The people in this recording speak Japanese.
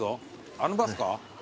あのバスか？